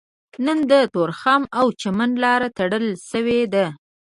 نن د تورخم او چمن لاره تړل شوې ده